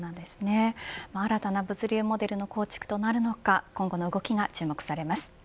新たな物流モデルの構築となるのか今後の動きが注目されます。